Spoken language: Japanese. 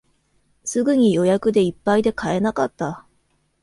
すぐに予約でいっぱいで買えなかった